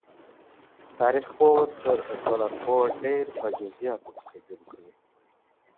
تاریخ پوه تر ټولنپوه ډېر په جزیاتو پسي ګرځي.